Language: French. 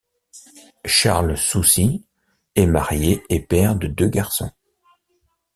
Charles Soucy est marié et père de deux garçons.